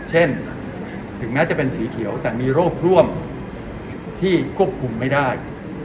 ถึงแม้จะเป็นสีเขียวแต่มีโรคร่วมที่ควบคุมไม่ได้